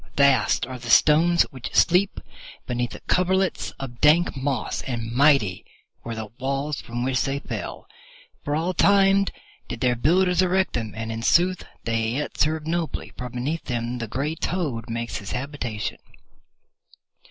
Vast are the stones which sleep beneath coverlets of dank moss, and mighty were the walls from which they fell. For all time did their builders erect them, and in sooth they yet serve nobly, for beneath them the grey toad makes his habitation.